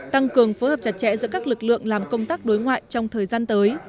tăng cường phối hợp chặt chẽ giữa các lực lượng làm công tác đối ngoại trong thời gian tới